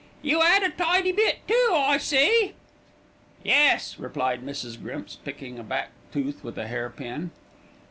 "You 'ad a tidy bit, too, I see." "Yes," replied Mrs. Grimps, picking a back tooth with a hair pin.